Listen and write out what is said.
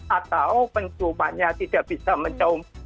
atau penciumannya tidak bisa mencaum